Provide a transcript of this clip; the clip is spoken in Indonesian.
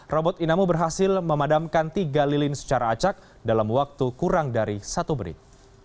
robot inamu berhasil memadamkan tiga lilin secara acak dalam waktu kurang dari satu menit